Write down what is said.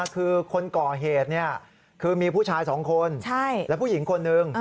คือคนก่อเหตุเนี่ยคือมีผู้ชายสองคนและผู้หญิงคนนึง